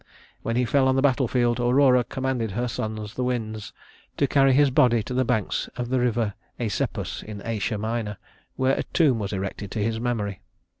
When he fell on the battle field, Aurora commanded her sons, the winds, to carry his body to the banks of the river Æsepus in Asia Minor, where a tomb was erected to his memory.